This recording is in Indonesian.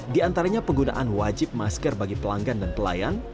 di antaranya penggunaan wajib masker bagi pelanggan dan pelayan